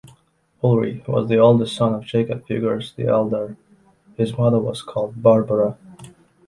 Ulrich was the oldest son of Jakob Fuggers the elder, his mother was called Barbara.